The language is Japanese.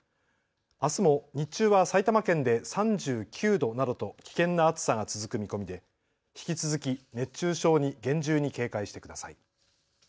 あすも日中は埼玉県で３９度などと危険な暑さが続く見込みで引き続き熱中症に厳重に警戒してください。